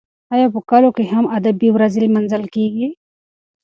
ایا په کلو کې هم ادبي ورځې لمانځل کیږي؟